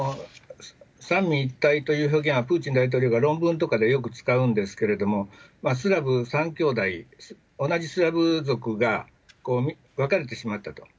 三位一体という表現はプーチン大統領が論文とかでよく使うんですけれども、スラブ３兄弟、同じスラブ族が、分かれてしまったと。